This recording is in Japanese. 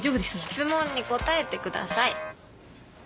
質問に答えてください。